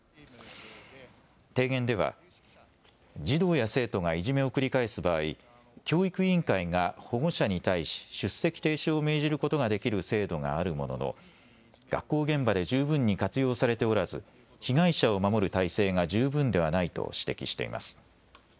提言では児童や生徒がいじめを繰り返す場合、教育委員会が保護者に対し出席停止を命じることができる制度があるものの、学校現場で十分に活用されておらず被害者を守る体制が十分ではないと指摘しています。